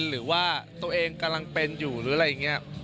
หรือว่าตัวเองกำลังเป็นอยู่หรืออะไรอย่างนี้